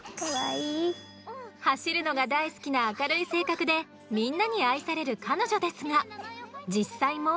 走るのが大好きな明るい性格でみんなに愛される彼女ですが実際も。